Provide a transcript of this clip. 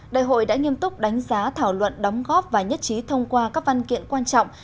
đại hội đã nghiêm túc đánh giá thảo luận đóng góp và nhất trí thông qua các văn kiện quan trọng